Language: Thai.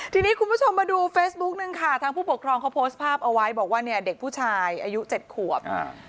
ที่นี่คุณผู้ชมมาดูเฟซบุ๊กหนึ่งทางผู้ปกครองเขาโพสต์ภาพอายุ๗ขวบ